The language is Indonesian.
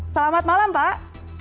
selamat malam pak